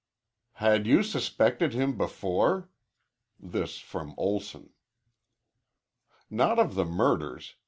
"Had you suspected him before?" This from Olson. "Not of the murders.